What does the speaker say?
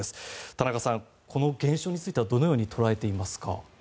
田中さん、この現象についてはどう捉えていますか。